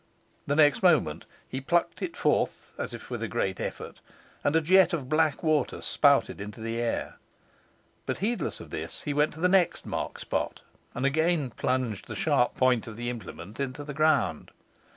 The next moment he plucked it forth, as if with a great effort, and a jet of black water spouted into the air; but, heedless of this, he went to the next marked spot, and again plunged the sharp point of the implement into the ground.